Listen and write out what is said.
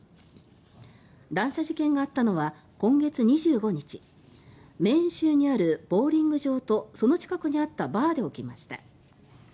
乱射事件があったのは今月２５日メーン州にあるボウリング場とその近くにあったバーで起きました。